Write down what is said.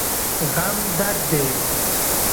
غم درد دی.